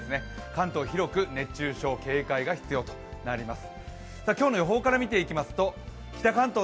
関東、広く熱中症警戒が必要となります。